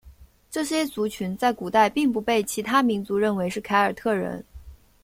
这些族群在古代并不被其他民族认为是凯尔特人。